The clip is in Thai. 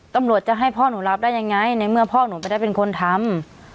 ตำรวจจะให้พ่อหนูรับได้ยังไงในเมื่อพ่อหนูไม่ได้เป็นคนทำ